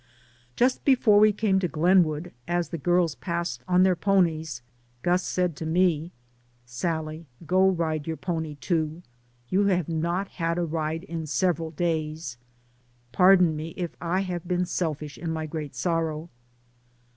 Just before we came to Glenwood, as the girls passed on their ponies, Gus said to me, "Sallie, go ride your pony, too ; you have not had a ride for several days. Pardon me if I have been selfish in my great sorrow."